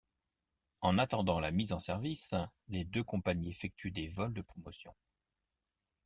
En attendant la mise en service, les deux compagnies effectuent des vols de promotion.